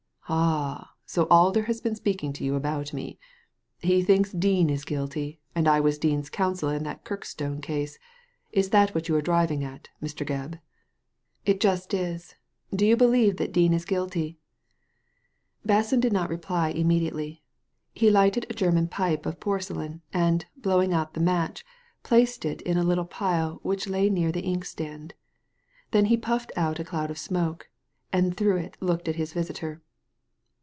" Ah 1 So Alder has been speaking to you about me. He thinks that Dean is guilty, and I was Dean's counsel in that Kirkstone case. Is it that you are driving at, Mr. Gebb?" •• It just is. Do you believe that Dean is guilty ?Basson did not reply immediately. He lighted a German pipe of porcelain, and, blowing out the match, placed it in a little pile which lay near the inkstand. Then he puffed out a cloud of smoke, and through it looked at his visitor.